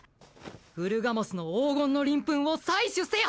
ウルガモスの黄金の鱗粉を採取せよ！